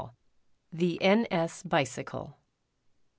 THE N. S. BICYCLE.